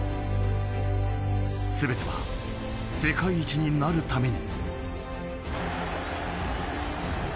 全ては世界一になるために。